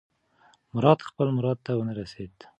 مراد خپل مراد ته ونه رسېد.